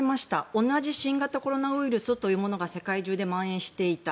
同じ新型コロナウイルスというものが世界中でまん延していた。